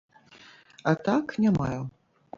А так не маю.